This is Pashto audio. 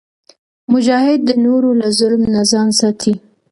مجاهد د نورو له ظلم نه ځان ساتي.